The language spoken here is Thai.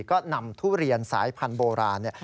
ก็นำทุเรียนสายพันธุ์โบราณ